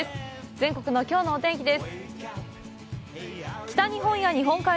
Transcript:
全国のきょうのお天気です。